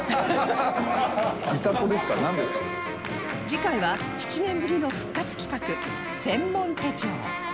次回は７年ぶりの復活企画専門手帳